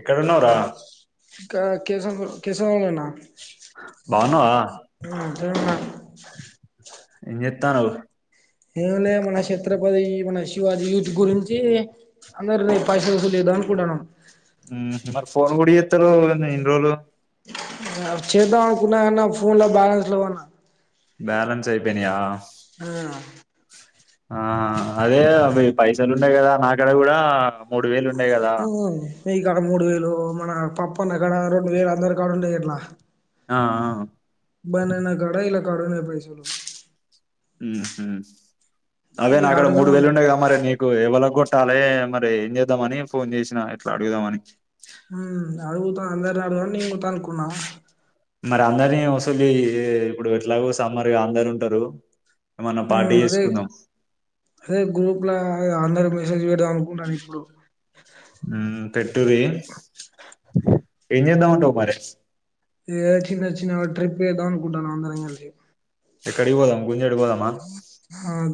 ఎక్కడున్నవురా కేస కేసముద్రం లా ఉన్న బాగున్నావ ఏం చేత్తానవు ఏమీ లే మన ఛత్రపతి మన శివాజీ యూత్ గురించి అందరినీ పరిశసు లు చేద్దాం అనుకుంటునాం మ్ మరి ఫోన్ కూడ చేతలేవు ఇన్ని రోజలు అ చేదామనుకున్నా కాని నా ఫోన్ లో బ్యాలెన్స్ లేవు అన్న బ్యాలెన్స్ అయిపోయినయా ఆ ఆ అదే అవి పైసలు ఉన్నాయి కదా నాక్కడ కూడా మూడు వేలు ఉండే కదా న కాడ మూడు వేలు మన పప్పన్న కాడ రెండు వేలు అందరు కాడ ఉండేయి అట్లా ఆ కడునై పైసలు హమ్ అవే ఈ నా అక్కడ అడుదాం మూడు వేలు ఉండే కదా మరి నీకు ఎవళకు కొ ట్టాలే మరి ఏం చేద్దామని ఫోన్ చేసినా ఇట్లా అడుగుదామని హ అడుగుతా అందరి దాంట్లో తో అనుకున్నా మరి అందరినీ వసలి ఇప్పుడు ఎట్లాగ స మరి అందరు ఉంటారు ఏమన్నా పార్టీ అదే చేసుకుందాం అదే గ్రూప్ లా అందరూ మెసేజ్ పెడదాం అనుకుంటాను ఇప్పుడు పెటూరి ఏం చేస్తావ్ అంటావ్ మరి ఏ చిన్న చిన్న ట్రిప్ఏదాకుంటా అందిడింగజ ఇక్కడవ పోదం గుజ అడుకోదమా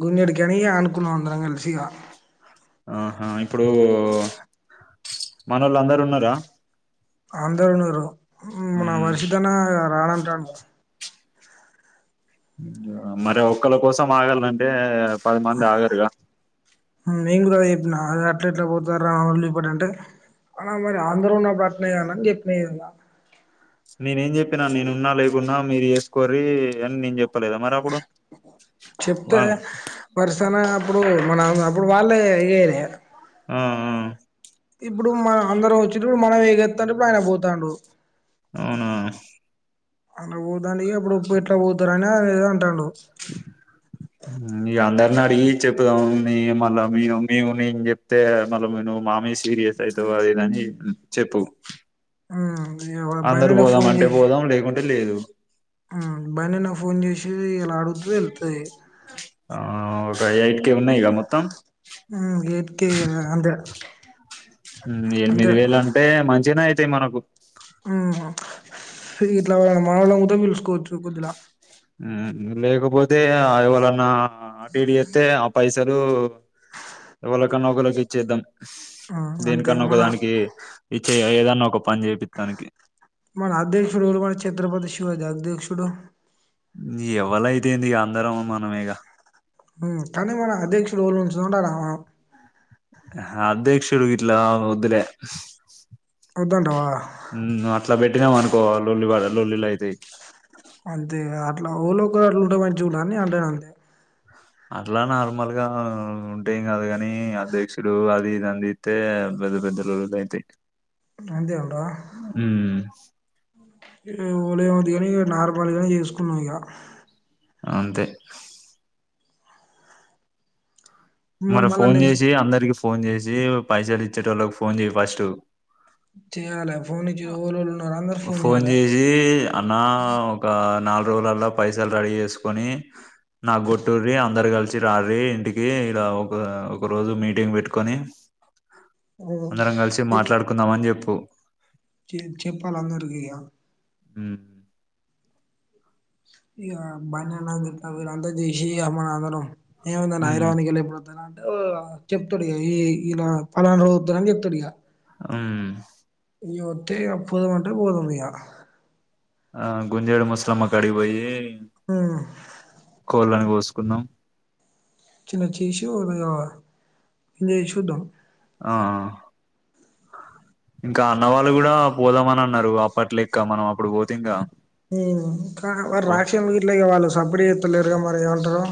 గుజెడికి అని అనుకున్నాం అందరం కలిసిగా ఆహా ఇప్పుడు మన వాళ్ళు అందర ఉన్నారా ఆందోళనరు నా ఉమ్, వరిసదనా రాణ అంట మరి ఒక్కళ కోసం ఆగాలంటే పది మంది ఆగారుగా నేను కూడా కదా చెప్పినా అ అట్లా ఎట్లా పోతారాళు చెప్పటి అంటే అలా మరి అందరూ నా పట్న అనిని చెప్పినా ఏద నేనేం చెప్పి నేను ఉన్న లేకున్నా మీరు చేసుకోరి అని నే చెప్తే వా వర్సన అప్పుడు మన అప్పుడు వాళ్ళే ఇ ఆ ఆ ఇప్పుడు మన అందరం వచిరు మనం అగేతంటే ఇప్పుడు ఆయన పోతాండు అవునా అలా పోదానికి అప్పుడుప్పు ఇట్లా పోతారుని ఆది ఇది అంటాడు ఇగ అందరిని అడిగి చెపుదాము మీ మళ్ళా మీ మమ్మీ ను నేను చెప్తే మల నువు మా మీద సీరియస్ అయితవ్ అదీ ఇదీ చెప్పు ఆ అందరు పోదాం అంటే పోదాం లేకుంట లేకుంటే లేదు అవును బున్నన్న నాకు ఫోన్ చేసి ఇలా అడుగుతే తెలుతది ఆ ఒక ఎయిట్‌కే ఉన్నాయి ఇగా మొత్తం గేట్కి అంతే హమ్ అంతే ఎనిమిది వేలు అంటే మంచిగానే అయి తేమనకు ఇట్లా మనవాళ్ళం కూడా పిలుచకోవచ్చు కొద్దిలా ఆ లే పోతే ఎవరన్నా అటు ఇటు చేస్తే ఆ పైస లు ఎవలకన్న ఒకలకి ఇచ్చేద్దాం ఉమ్, [inaudible] అంతే దేనికన్నా ఒకదానికి ఇ ఏదన్నా ఒక పని చేపిత్తానికి మరి అధ్యక్షుడు ఇచ్చి ఛత్రపతి శివాజి అధ్యక్షుడు ఎవలైతేంది అందరం మనమేగ ఉమ్ కాని మన అధ్యక్షుడు ఎవలు నుంచదమ్ ఉండాల ఆ ఆ అధ్యక్షుడు గిట్లా ఆ వద్దులే వద్దంటవా ఇట్లా పెట్టినావ్ అనుకో లొల్లిబాధ లొల్లిలు అయితాయి. అంతేగా ఓలోక అట్లా ఉంటే మంచిగ ఉన్న అన్ని అట్లనే ఉందే [unintelligible] అట్లా నార్మల్ గా ఉంటేం కాదు కాని, అధ్యక్షుడు అది ఇది తిడితే పెద్ద పెద్ద లొల్లిలు అయితాయి. అంతే ఉమ్ ఉలి ఉంది కాని నార్మల్ గాని చేసుకున్నామ్ ఇక అంతే మరి మళ్ళా ఫోన్ నెక్స్ట్ చేసి అందరికి ఫోన్ చేసి పైసలు ఇచ్చేటోళ్ళకి ఫోన్ చేయి ఫస్ట్ చేయాల ఫోన్ నుంచి ఓవలన్న ఫోన్ చేసి అన్న ఒక నాలుగు రోలలో పైసలు రెడీ చేసుకొని నాకు గొట్టురి, అందరు కలిసి రారీ ఇంటికి ఇలా ఒక ఒక రోజు మీటింగ్ పెట్టుకొని, ఉమ్. అందరం కలిసి మాట్లాడుకుందామ అని చెప్పు [inaudible] చెప్పాలే అందరికి ఇగ హుమ్ అమ్మ నాన్నా ను [unintelligible] ఏముందన్న ఉమ్ హైదరాబాదుకు ఎల్లి ఎప్పుడతారా అని ఓ చెప్తాడుగా ఈ ఇలా ఫలానా రోతుని చెప్తాడు ఇగా ఆమ్ ఇగ ఓథే పోదాం అంటే పోదాం ఇగ [unintelligible] ఆ గుంజేడు ముసలమ్మ కాడికిపోయి ఉమ్. కోళ్లను కోసుక్ కొన్నాం చిన్నగ చేసి అలా ఇం చూద్దం [inaudible] ఆ ఇంకా అన్నవాళ్ళు కూడా పోదామని నన్న న్నారు అప్పట్ లెక్క మనం అప్పుడు పోతింగా మ్మ్ వారు రాక్షం వీట్లోకి వాళ్ళు సప్పిడి చేత్త లేరుగా మరి ఏమంటారు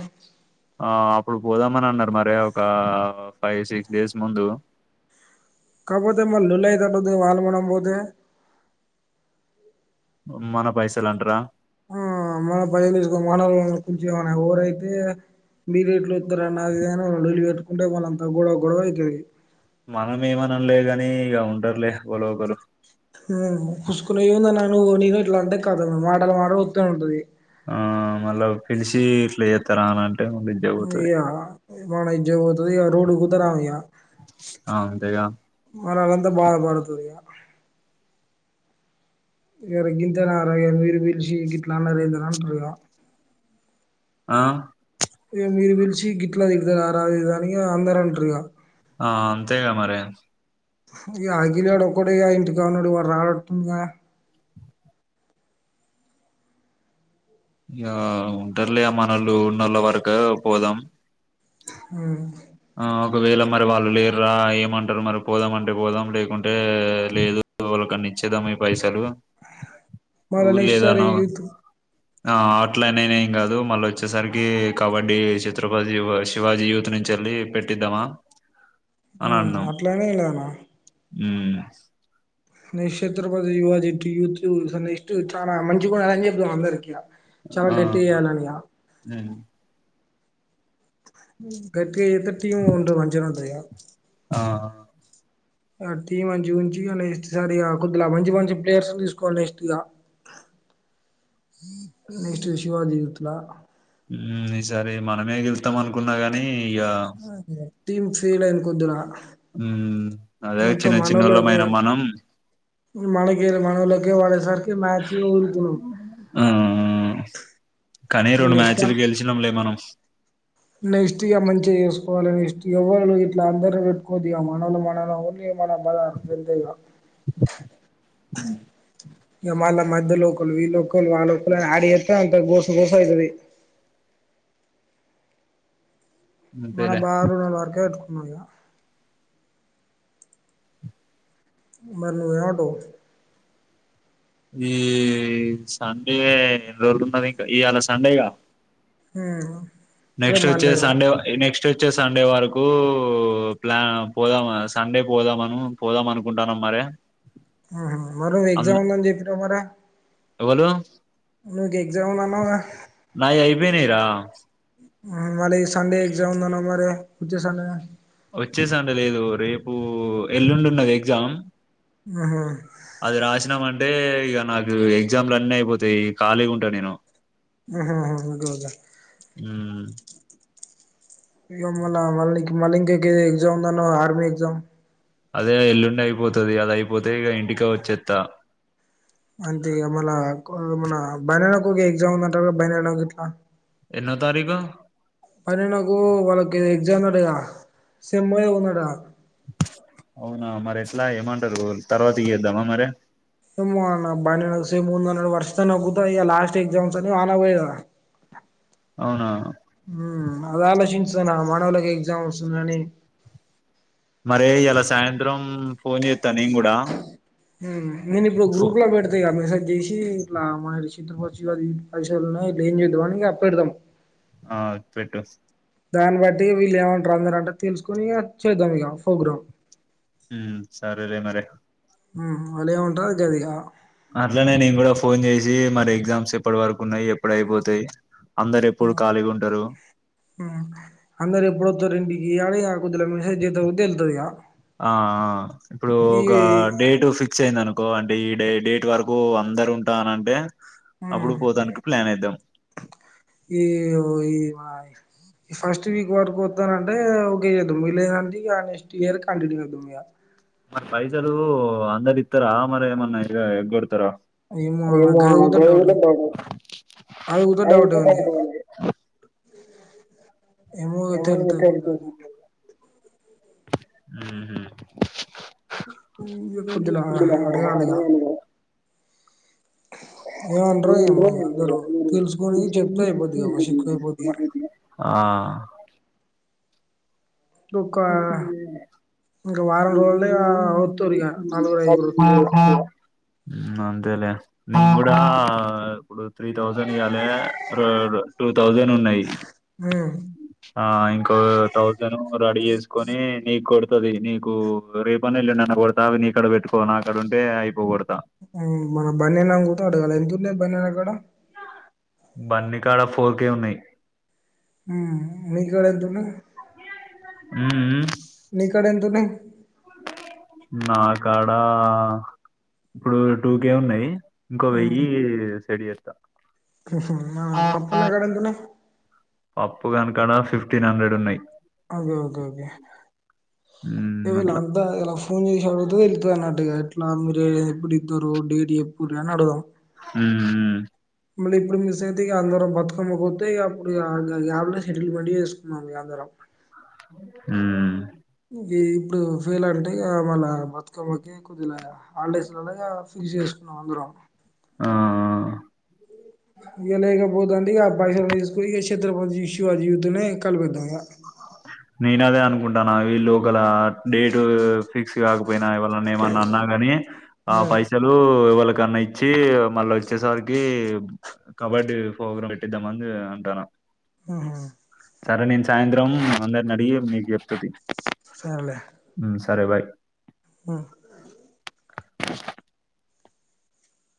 ఆ అప్పుడు పోదామని అన్నారు మర ఒక ఫైవ్ సిక్స్ డేస్ ముందు కాపోతే మల్లా లొల్లైతట్టు ఉందే వాళ్ళు మనం పోతే మన పైసలంటరా ఆ మన పైస్ మన కూంచచమన్నా ఎఊరైతే మీరెట్లు ఒత్తరని అది లోళ్లి పెట్టుకుంటే వాళ్ళంత గొడవ గొడవ అయితది మనం ఏమనలే కాని ఇక ఉంటారులే ఎవరో ఒకళ్ళు మ్మ్ కుసుకుని ఉందన్నా నేను ఇట్లా అంతే కాద మాటలా మాట వతూ ఉంటాది ఆ మళ్ళ పిలిచి ఇట్లా చెత్తరా అనంట్ య్యా మన ఇజ్జ పోతుంది ఇ రోడ్ కుదరమ్యా ఆ! అంతేగా మనాలంతా బాధపడుతుందియా ఎరకిింత నర మీరు వీచీ కట్లా నరదరంటగా ఆ మీరు పిలిచి గిట్లా దిడతర రా అదిదని అందరంటారుగా ఆ అంతేగా మరి ఇ ఆగిలాడు ఒకడ ఇంటి కాడున్నాడు వాడు రానట్టుడుండుగా గా ఉంటర్లే మనోళ్ళు ఉన్నళ్ళ వరక పోదాం మ్మ్ ఆ ఒకవేళ మరి వాళ్ళు లేరు రా ఏమంటారు మరి పోదామంటే పోదాం లేకుంటే లేదు వాళ్ళకన్ని ఇచ్చేదాం ఈ పైసా మళ నెస్ట్ సారి ఏదన్నా యూత్ ఆ ఆట్లనేనే ఏం కాదు మళ్ళీ వచ్చేసరికి కబడ్డీ చిత్రపతివ శివాజీ యూత్ నుంచెల్లి పెట్టిద్దామా ఉ అట్లనే లేనా మ్మ్ నీక్షేత్రపతి యువ జిట్టు యూత్ నెస్ట్ చాలా మంచి కూడా అని చెప్తాం అందరికీ చాలా ఆ గట్టిగేయలనిగా ఉమ్, గట్టిగా ఎతే టీమ్ గుంటే మంచిగుంటది గదా ఆ ఆ టీమ్ మంచి ఉంచి గా నెక్స్ట్ సరి కుద్దిలా మంచి మంచి ప్లేయర్స్ తీసుకోవాలి నెక్స్ట్ ఇగ నెక్స్ట్ శివాజీ యుతిల మ్మ్ ఈ సరే మనమే గెళ్తాం అనుకున్నా గాని ఇయా టీమ్ ఫీల్ అయ్యింది కొద్దున ఉ అదే చిన్న చిన్నోళ్ళమైన మనం మనగే మన లోకే వాళే సార్కి మ్మ్ కానీ ఇగ రెండు నెక్స్ట్ మ్యాచ్లు టైం గెలిచినాం లే మనం నెక్స్ట్ గా మంచిగా చేసుకోవాలి నెక్స్ట్ ఎవ్వరు ఎట్లా అందరూ పెట్టుకోవద్దు ఇగ మనవలు మన ఉని మన అంతే ఇంగ మ్మ్ ఇగ మళ్ళ మధ్య లోకలు ఈ లోకలు ఆ లోకలని ఆడ్ చేస్తే అంత గోస గోస అయితది మన అంతేలే బారూల్ అట్టేట్ మయా మరి నువ్వు ఏమంటావు ఈ సండే ఎన్ని రోజులు ఉన్నది ఇంకా ఇవాళ సండేగా హు నెక్స్ట్ వచ్చే సండే నెక్స్ట్ నెక్స్ట్ వచ్చే సండే వరకు ప్లాన్ పోదాం సండే పోదామను పోదాం అనుకుంటానం మరే ఆహ మరో ఎగ్జామ్ ఉందని చెప్పినావు మరే ఎవ్వలు నువ్వు ఎగ్జామ్ ఉంది అన్నవుగా వేనేరా మలే ఈ సండే ఎగ్జామ్ ఉంది మరి వచ్చే సండే వచ్చే సండే లేదు. రేపు ఎల్లుండున్నది ఎగ్జామ్ హుహు అంటే ఇగ నాకు ఎగ్జాములు అన్ని అయిపోతాయి, ఖాళీగుంట నేను. హు హు ఓకే ఒకే మ్మ్ ఇంగో మళ్ళ మళ్ళీ మళ్ళీ ఇంకాక ఎగ్జామ్ ఉందినాన్నవుగా ఆర్మీ ఎగ్జామ్. అదే ఎల్లుండి అయిపోతది. అది అయిపోతే ఇగ ఇంటికె వచ్చేత్త అంతేగా మల్ల మన బన ఒక ఎగ్జామ్ ఉందట్టు బన ఇట్లా ఎన్న తారీఖ పని నాకు వాళ్ళకి ఎగ్జామ్న్నాడుద సమ్ ఉన్నాడా అవునా మరి ఎట్లా ఏమంటారు గోల్ మన బని సే మూ ఇడు వర్ష తాగుతుా ఇ లాస్ట్ ఎక్జామ్స్ అని ఆన్గయదా అవునా హు అలోచన్ మానవలకి ఎగ్జామ్ వస్తుందిని అరే ఎలా సాయంత్రం ఫోన్ చే ఉ నేను ఇప్పుడు గ్రూప్ లో పెడతా ఇక మెస్సేజ్. దసిలా మ ర చిత్రపచవాది అది చ ఇట్ ఏం చేద్దావా అం అప్ప పెడద్దాం ఆ పెట్ దాన్ని బట్టి వీళ్ళు ఏమంటారు అన్నారుారంటే తెలుసుకుని చేద్దాం ఇక ప్రోగ్రామ్. హు సారలే మరి ఉ వళి ఉంట అది జదిక అట్లనే నేను కూడా ఫోన్ చేసి మరి ఎగ్జామ్స్ ఎప్పటి వరకు ఉన్నాయి, ఎప్పుడ అయిపోతాయి. అందరు ఎప్పుడు ఖాళీగా ఉంటారు అందరు ఎప్పుడు వతో రెండి ఇాల [inaudible] ఆ ఇప్పుడు ఈ ఒక డేట్ ఫిక్స్ అయింది అనుకో డి డే డేట్ వరకు అందరు ఉంటానంటే హ్మ్ అప్పుడు పోతానికి ప్లాన్ ఏద్దాం ఈ ఈ ఫస్ట్ వీక్ వరకు వస్తానంటే ఓకే చేద్దాం లేదంటే ఇక నెక్స్ట్ ఇయర్ కంటిన్యూ చేదాం ఇక మరి పైసలు అందరి ఇత్తార మరి ఏమైనా ఏగోడతారా నాకు ఏమో గది గుత డౌట్ అది గుత డౌటే ఉంది [inaudible] ఏమో [inaudible] హ్మ్ హు ఇగ కొద్దిలా అడగాలి ఇగ అరం ఏమంటరో ఏమో ఇగ అందరూ తెలుసుకొని చెప్తే అయిపోద్ది ఇగ ఒక సిక్కు అయిపోద్ది ఇగ [inaudible] ఒక ఇంకా వారం రోజులే వత్తరు ఇగ నలుగురు ఐదుగురు వత్తరు ఆహ్ ఇగ ఆహ్ అంతేలే నే కూడా ఇప్పుడు త్రీ థౌసండ్ ఇవ్యాలి టూ థౌజండ్ ఉన్నాయి ఉమ్ ఆహ్ ఇంకో థౌసండ్ రెడీ చేసుకొని నిక్ కొడుతది నీకు రేపన్న యెలుండి కొడతా అవి నీ కాడ పెట్టుకో నా అడ ఉంటే అయిపోకోడ్ మన బన్నీ అన్న కూడా అడగాల ఎంతు ఉన్నాయి బన్నీ అన్న కాడ బన్నీ కాడ ఫోర్ కేే ఉన్నాయి మీ కాడ ఎంత ఉన్నాయి హ్మ్ హ్మ్ నీకాడ ఉన్నాయి నాకాడ ఇప్పుడు టూకె ఉన్నాయి ఇంకో వెయ్యి సెట్ చేస్తా ఆహ్ పప్పు అన్న కాడ ఎంత ఉన్నాయి పప్పుగాని కాడ ఫిఫ్టీన్ హండ్రెడ్ ఉన్నాయి ఓకే ఓకే మ్మ్ వీళ్ళు అట్లా అంతా ఫోన్ చేసి అడుగుత అన్నట్టుగా ఎట్లా మీరు ఎప్పుడు ఇద్దారు డేట్ చేపూరి అని అడుగుదాం హ్మ్ హ్మ్ మళ్ళీ ఇప్పుడు మిస్ అయితే ఇక అందరం బతుకమ్మకు వస్తే అప్పుడు యడున సెటిల్మెంట్ చేసుకుందాం ఇగ అందరం హ్మ్ హ్మ్ ఇ ఇప్పుడు ఫెయిల్ అంటే మన బతుకమ్మకి కొద్దిగా హాలిడేస్ లలో ఫిక్స్ చేసుకుందాం అందరం ఆ ఇగ లేకపోతే అంతేగా పైసలు అన్ని తీసుకొని చత్రపతి ఇష్యూ అని కలిపిద్దాం ఇగ నేను అదే అనుకుంటాను వీళ్ళు ఒకేలా డేట్ పిక్స్ కాకపోయినా ఎవరైనా ఏమైనా అన్నా గాని ఆ ఉమ్ పైసలు ఎవలు ఎవరికైనా ఇచ్చి మళ్లీ వచ్చేసరికి కబడ్డీ ప్రోగ్రాం పెట్టిద్దామని అని అంటానా ఆహా సరే నేను సాయంత్రం అందరిని అడిగి మీకు చెప్తాతి సరేలే సరే బాయ్ ఉ